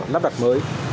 nắp đặt mới